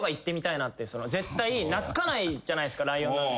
絶対懐かないじゃないっすかライオンなんて。